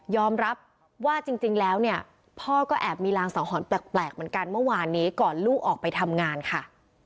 รับว่าจริงแล้วเนี่ยพ่อก็แอบมีรางสังหรณ์แปลกเหมือนกันเมื่อวานนี้ก่อนลูกออกไปทำงานค่ะ